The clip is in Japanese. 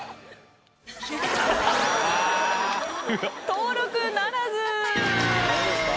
登録ならず。